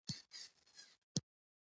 فعال و اوسئ